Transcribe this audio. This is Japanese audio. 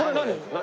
何？